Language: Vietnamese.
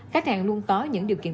khách hàng luôn có những điều kiện